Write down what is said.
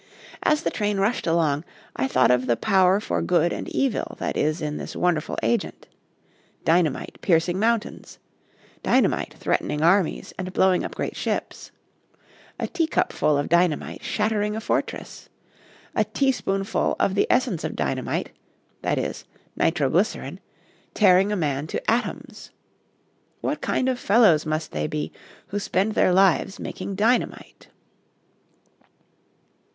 As the train rushed along I thought of the power for good and evil that is in this wonderful agent: dynamite piercing mountains; dynamite threatening armies and blowing up great ships; a teacupful of dynamite shattering a fortress, a teaspoonful of the essence of dynamite that is, nitroglycerin tearing a man to atoms. What kind of fellows must they be who spend their lives making dynamite!